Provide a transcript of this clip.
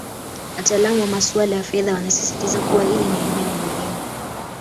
Wataalamu wa masuala ya fedha wanasisitiza kuwa hili ni eneo muhimu